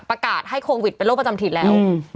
ประกาศให้โควิดเป็นโรคประจำถิ่นแล้ว